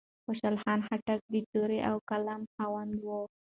خوشال خان خټک د تورې او قلم خاوند و.